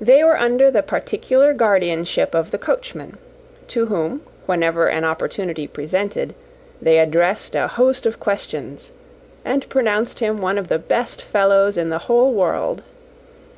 They were under the particular guardianship of the coachman, to whom, whenever an opportunity presented, they addressed a host of questions, and pronounced him one of the best fellows in the whole world.